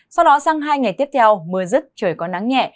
sau đó sang hai ngày tiếp theo mưa rứt trời có nắng nhẹ